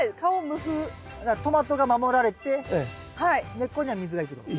根っこには水がいくと。